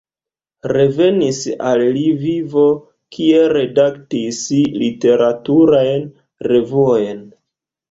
Revenis al Lvivo, kie redaktis literaturajn revuojn.